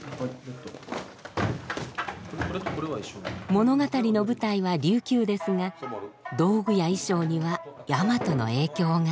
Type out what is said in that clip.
物語の舞台は琉球ですが道具や衣装にはヤマトの影響が。